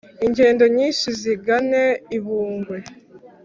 ingendo nyinshi zigane i bungwe